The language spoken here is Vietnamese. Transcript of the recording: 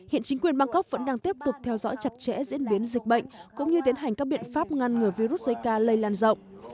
hiện chính quyền bangkok vẫn đang tiếp tục theo dõi chặt chẽ diễn biến dịch bệnh cũng như tiến hành các biện pháp ngăn ngừa virus zika lây lan rộng